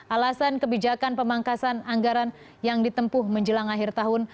alasan kebijakan pemangkasan anggaran yang ditempuh menjelang akhir tahun